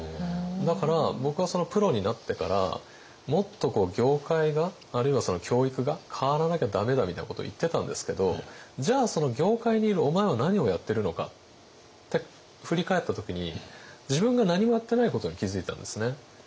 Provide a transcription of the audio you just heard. だから僕はプロになってからもっと業界があるいはその教育が変わらなきゃ駄目だみたいなことを言ってたんですけどじゃあその業界にいるお前は何をやってるのかって振り返った時に自分が何もやってないことに気付いたんですね。